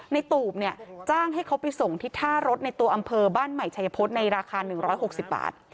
ตูบเนี่ยจ้างให้เขาไปส่งที่ท่ารถในตัวอำเภอบ้านใหม่ชัยพฤษในราคา๑๖๐บาท